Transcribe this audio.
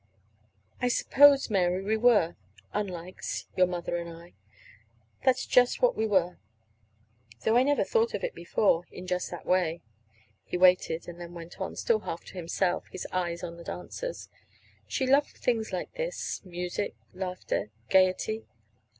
"I suppose, Mary, we were unlikes, your mother and I. That's just what we were; though I never thought of it before, in just that way." He waited, then went on, still half to himself, his eyes on the dancers: "She loved things like this music, laughter, gayety.